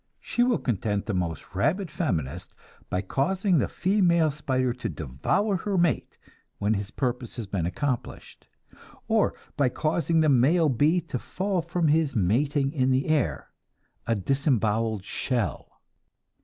She will content the most rabid feminist by causing the female spider to devour her mate when his purpose has been accomplished; or by causing the male bee to fall from his mating in the air, a disemboweled shell.